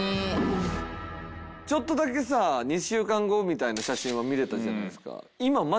ちょっとだけさ２週間後みたいな写真は見れたじゃないっすか。